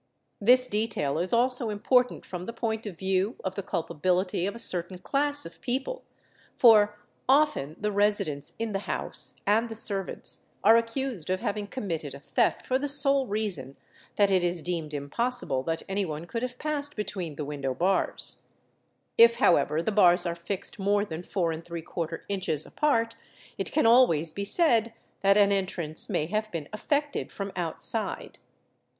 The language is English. This detail is also important from the point of view of the culpability of a certain class of people, for often the residents in the house and the servants are Fig. 181. accused of having committed a theft for the sole reason that it is deemed impossible that any one could have passed between the window bars; if however the bars are fixed more than 4% inches apart, it can always be said that an entrance may have been affected from outside.